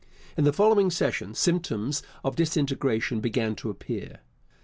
In the following session symptoms of disintegration began to appear.